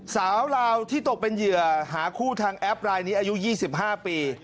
สาวลาวที่ตกเป็นเหยื่อหาคู่ทางแอปรายนี้อายุ๒๕ปี